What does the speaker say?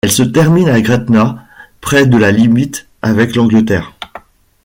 Elle se termine à Gretna, près de la limite avec l'Angleterre.